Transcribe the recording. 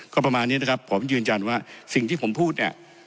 ก็ประมาณนี้นะครับผมยืนยันว่าสิ่งที่ผมพูดเนี่ย